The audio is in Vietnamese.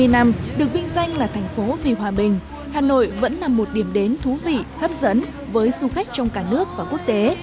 hai mươi năm được vinh danh là thành phố vì hòa bình hà nội vẫn là một điểm đến thú vị hấp dẫn với du khách trong cả nước và quốc tế